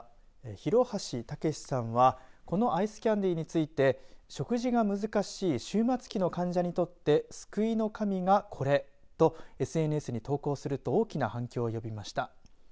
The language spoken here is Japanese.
廣橋猛さんはこのアイスキャンディーについて食事が難しい終末期の患者にとって救いの神がこれとＳＮＳに投稿すると大きな反響を呼びました。